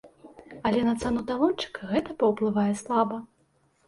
Але на цану талончыка гэта паўплывае слаба.